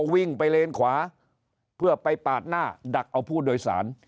วิ่งไปเลนขวาเพื่อไปปาดหน้าดักเอาผู้โดยสาร